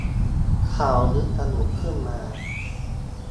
เขานึกสนุกขึ้นมา